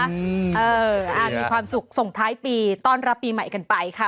เออมีความสุขส่งท้ายปีต้อนรับปีใหม่กันไปค่ะ